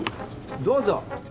・どうぞ。